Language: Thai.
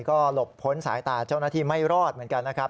ก็หลบพ้นสายตาเจ้าหน้าที่ไม่รอดเหมือนกันนะครับ